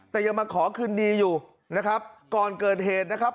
แต่ยังมาขอคืนดีอยู่นะครับก่อนเกิดเหตุนะครับ